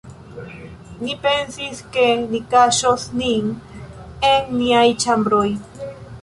Ni pensis, ke ni kaŝos nin en niaj ĉambroj.